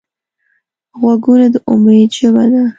غوږونه د امید ژبه ده